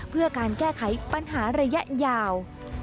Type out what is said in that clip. เพื่อการแก้ไขปัญหาระยะยาว